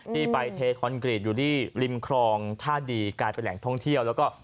ที่ไปเทคอนกรีตอยู่ที่ลินครองถ้าดีกายไปแหล่งท่องเที่ยวก็